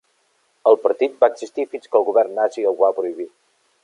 El partit va existir fins que el govern nazi ho va prohibir.